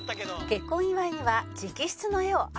結婚祝いには直筆の絵を有吉さんに